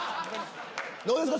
どうですか？